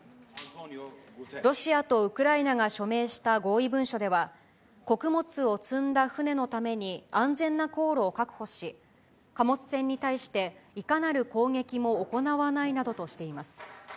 ロシアとウクライナが署名した合意文書では、穀物を積んだ船のために安全な航路を確保し、貨物船に対して、いかなる攻撃も行わないなどとしています。